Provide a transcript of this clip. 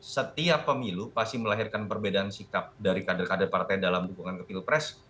setiap pemilu pasti melahirkan perbedaan sikap dari kader kader partai dalam dukungan ke pilpres